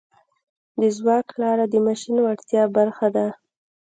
د ځواک لاره د ماشین د وړتیا برخه ده.